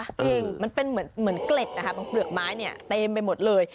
จริงมันเป็นเหมือนเกล็ดนะคะตรงเปลือกไม้เนี่ยเต็มไปหมดเลย